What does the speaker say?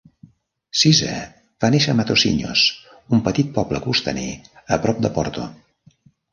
Siza va nàixer a Matosinhos, un petit poble costaner a prop de Porto.